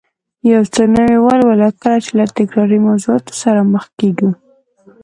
یو څه نوي ولولو، کله چې له تکراري موضوعاتو سره مخ کېږو